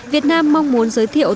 việt nam mong muốn giới thiệu